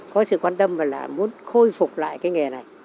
có sự quan tâm và là muốn khôi phục lại cái nghề này